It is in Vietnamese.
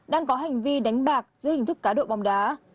đang có hành vi đánh bạc dưới hình thức cá độ bóng đá